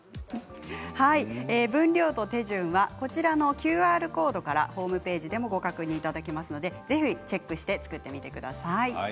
分量と手順はＱＲコードからホームページでもご確認いただけますのでぜひチェックして作ってみてください。